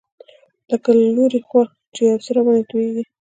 لکه له لوړې خوا څخه چي یو څه راباندي تویېږي.